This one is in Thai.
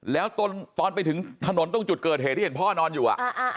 แล้วตอนไปถึงถนนตรงจุดเกิดเหตุที่เห็นพ่อนอนอยู่